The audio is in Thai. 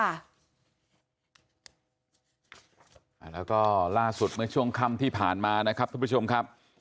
แล้วก็ล่าสุดเมื่อช่วงค่ำที่ผ่านมานะครับทุกผู้ชมครับ